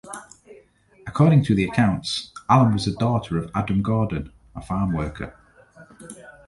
According to the accounts, Allan was the daughter of Adam Gordon, a farm worker.